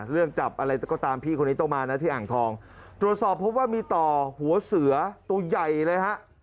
จับอะไรก็ตามพี่คนนี้ต้องมานะที่อ่างทองตรวจสอบพบว่ามีต่อหัวเสือตัวใหญ่เลยฮะ